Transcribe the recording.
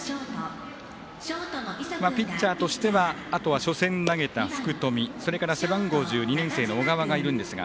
ピッチャーとしてはあとは初戦投げた福冨それから背番号１０２年生の小川がいるんですが。